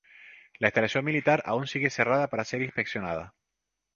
La instalación militar aún sigue cerrada para ser inspeccionada.